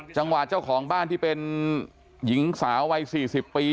เจ้าของบ้านที่เป็นหญิงสาววัย๔๐ปี